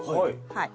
はい。